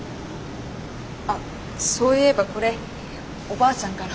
あっそういえばこれおばあちゃんから。